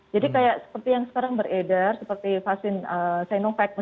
jadi kayak seperti yang sekarang beredar seperti vaksin sinovac